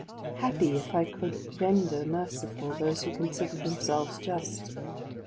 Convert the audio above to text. happy if I could ren der merciful those who consider themselves just!